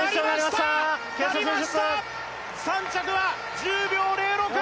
３着は１０秒０６